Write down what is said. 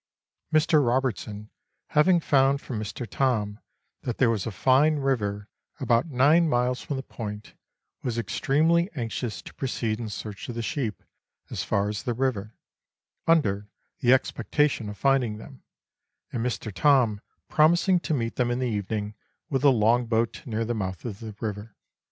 Mr. Robertson, having found from Mr. Thorn that there was a fine river about nine miles from the Point, was extremely anxious to proceed in search of the sheep as far as the river, under the expec tation of finding them, and Mr. Thorn promising to meet them in the evening with the long boat near the mouth of the river.